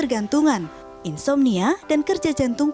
efek kafein tinggi akan membuat penikmatian di dalamnya lebih tinggi